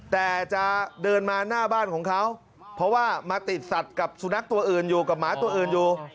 แต่จะเดินมาหน้าบ้านของเขาเพราะว่ามาติดสัตว์กับสุนัขตัวอื่นอยู่กับหมาตัวอื่นอยู่